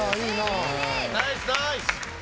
ナイスナイス！